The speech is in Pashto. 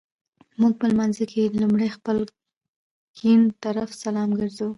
مونږ په لمانځه کي لومړی خپل ګېڼ طرفته سلام ګرځوو